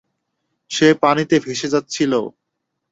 সে পানিতে ভেসে যাচ্ছিল।